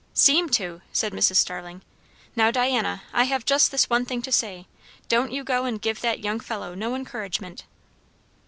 "Seem to," said Mrs. Starling. "Now, Diana, I have just this one thing to say. Don't you go and give that young fellow no encouragement."